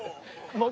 もう。